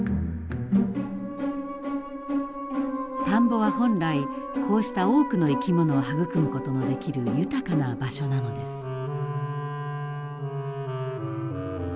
田んぼは本来こうした多くの生き物をはぐくむことのできる豊かな場所なのです。